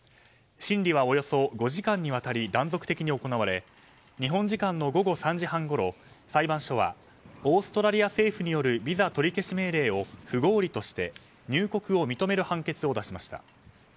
審理はおよそ５時間にわたり断続的に行われ日本時間の午後３時半ごろ裁判所はオーストラリア政府によるビザ取り消し命令を不合理として入国を認める判決を出しました。